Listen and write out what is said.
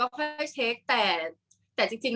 กากตัวทำอะไรบ้างอยู่ตรงนี้คนเดียว